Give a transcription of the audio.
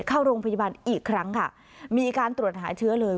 เข้าโรงพยาบาลอีกครั้งค่ะมีการตรวจหาเชื้อเลย